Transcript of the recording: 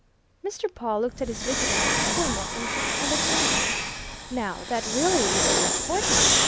Mr. Pawle looked at his visitor with still more interest and attention. "Now, that really is of importance!"